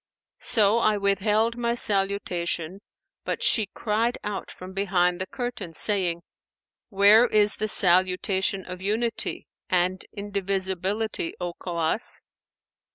So I withheld my salutation, but she cried out from behind the curtain, saying, 'Where is the salutation of Unity and Indivisibility, O Khawwas?'